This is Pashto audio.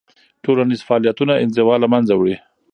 ټولنیز فعالیتونه انزوا له منځه وړي.